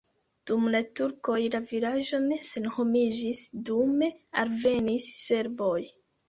Dum la turkoj la vilaĝo ne senhomiĝis, dume alvenis serboj.